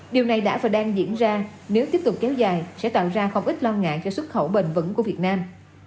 điều này đã và đang diễn ra nếu tiếp tục kéo dài sẽ tạo ra không ít lo ngại cho xuất khẩu bền vững của việt nam